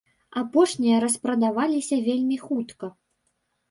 Апошнія распрадаваліся вельмі хутка.